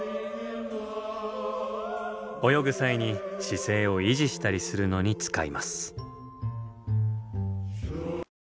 泳ぐ際に姿勢を維持したりするのに使います。